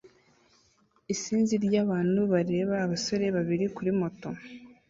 Isinzi ryabantu bareba abasore babiri kuri moto